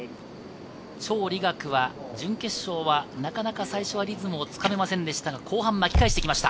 チョウ・リガクは準決勝は、なかなか最初はリズムをつかめませんでしたが、後半、巻き返してきました。